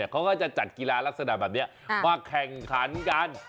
เขาก็จะจัดกีฬาลักษณะแบบนี้มาแข่งขันกัน